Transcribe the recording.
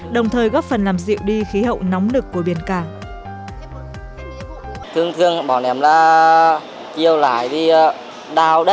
đồng thời góp phần làm dịu đi khí hậu nóng nực của biển cả